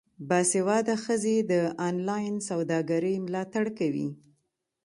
باسواده ښځې د انلاین سوداګرۍ ملاتړ کوي.